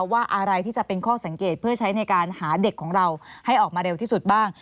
ว่าอะไรที่จะเป็นข้อสังเกตเพื่อใช้ในการหาเด็กของเราให้ออกมาเร็วที่สุดบ้าง